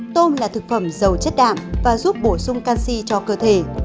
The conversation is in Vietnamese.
tôm là thực phẩm giàu chất đạm và giúp bổ sung canxi cho cơ thể